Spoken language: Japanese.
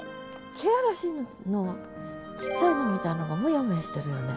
気嵐のちっちゃいのみたいのがモヤモヤしてるよね